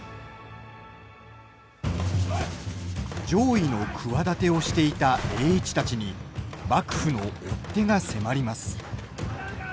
攘夷の企てをしていた栄一たちに幕府の追っ手が迫ります。